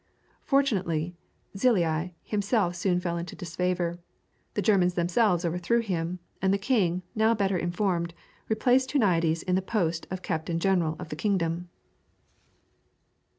Fortunately Czillei himself soon fell into disfavor; the Germans themselves overthrew him; and the king, now better informed, replaced Huniades in the post of Captain General of the Kingdom.